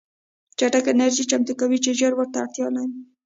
چټکه انرژي چمتو کوي چې ژر ورته اړتیا لري